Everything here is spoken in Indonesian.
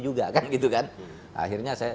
juga kan akhirnya saya